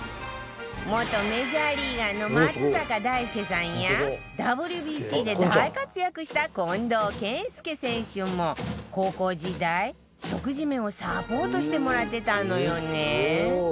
元メジャーリーガーの松坂大輔さんや ＷＢＣ で大活躍した近藤健介選手も高校時代食事面をサポートしてもらってたのよね